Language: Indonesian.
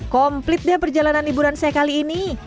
komplit deh perjalanan liburan saya kali ini